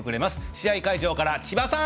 試合会場から、千葉さん！